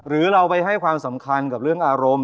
หรือเราไปให้ความสำคัญกับเรื่องอารมณ์